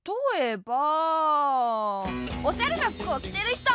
おしゃれなふくをきてるひと！